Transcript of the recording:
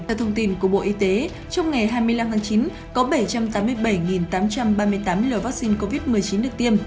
theo thông tin của bộ y tế trong ngày hai mươi năm tháng chín có bảy trăm tám mươi bảy tám trăm ba mươi tám liều vaccine covid một mươi chín được tiêm